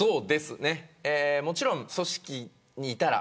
もちろん組織にいたら。